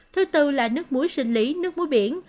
thứ tư là nước muối sinh lý nước muối biển